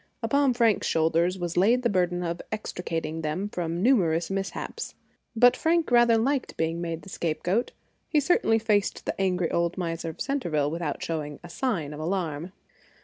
Upon Frank's shoulders was laid the burden of extricating them from numerous mishaps. But Frank rather liked being made the scapegoat; he certainly faced the angry old miser of Centerville without showing a sign of alarm.